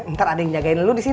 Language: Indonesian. ntar ada yang jagain dulu di sini